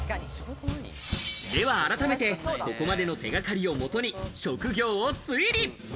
では改めて、ここまでの手掛かりをもとに職業を推理。